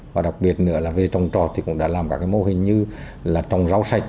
và đặc biệt nữa là về trồng trọt thì cũng đã làm các mô hình như là trồng rau sạch